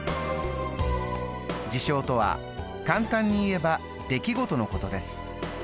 事象とは簡単に言えば出来事のことです。